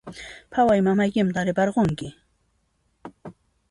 Phaway, mamaykiman tarparunki